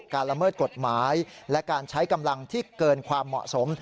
ละเมิดกฎหมายและการใช้กำลังที่เกินความเหมาะสม